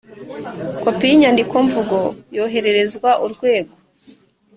kopi y inyandikomvugo yohererezwa urwego